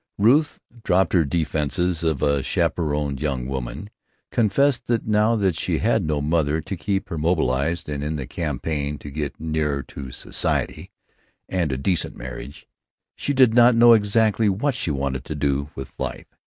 Ruth dropped her defenses of a chaperoned young woman; confessed that now that she had no mother to keep her mobilized and in the campaign to get nearer to "Society" and a "decent marriage," she did not know exactly what she wanted to do with life.